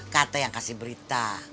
kata yang kasih berita